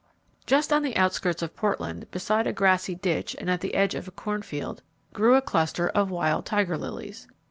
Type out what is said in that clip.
Just on the outskirts of Portland, beside a grassy ditch and at the edge of a cornfield, grew a cluster of wild tiger lilies.